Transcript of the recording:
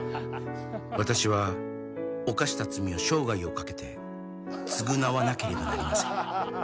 「私は犯した罪を生涯をかけて償わなければなりません」